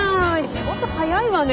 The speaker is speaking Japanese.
仕事速いわね。